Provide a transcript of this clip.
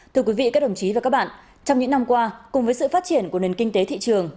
thưa quý vị các đồng chí và các bạn trong những năm qua cùng với sự phát triển của nền kinh tế thị trường